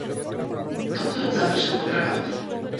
Докторот завршил добра работа.